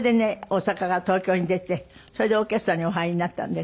大阪から東京に出てそれでオーケストラにお入りになったんで。